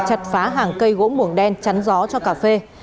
chặt phá hàng cây gỗ mồng đen chắn gió cho cà phê